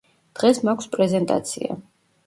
დღეს მაქვს პრეზენტაცია.